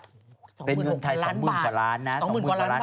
หมื่นล้านบาท